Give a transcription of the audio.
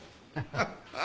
ハッハハ！